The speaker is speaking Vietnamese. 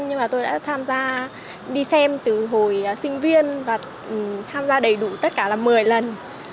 nhưng mà tôi đã tham gia đi xem từ hồi sinh viên và tham gia đầy đủ tất cả là một mươi lần